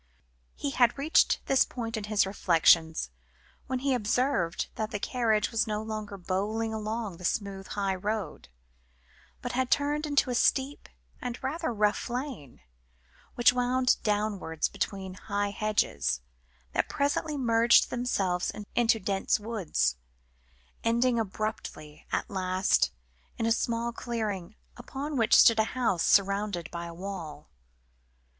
He had reached this point in his reflections when he observed that the carriage was no longer bowling along the smooth high road, but had turned into a steep, and rather rough lane, which wound downwards between high hedges, that presently merged themselves into dense woods, ending abruptly at last in a small clearing, upon which stood a house surrounded by a wall.